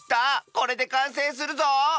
これでかんせいするぞ！